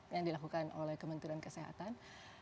yang dilakukan oleh kementerian kesehatan